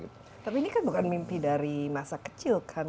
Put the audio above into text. tapi ini kan bukan mimpi dari masa kecil kan